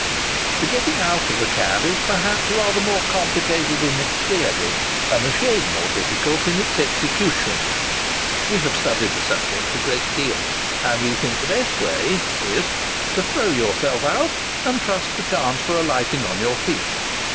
The getting out of a cab, is, perhaps, rather more complicated in its theory, and a shade more difficult in its execution. We have studied the subject a great deal, and we think the best way is, to throw your self out, and trust to chance for alighting on your feet.